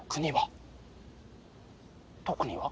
特には。